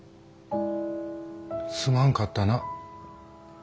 すまんかったな。